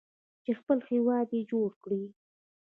چې خپل هیواد یې جوړ کړ.